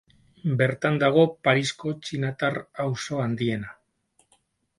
Bertan dago Parisko txinatar auzo handiena.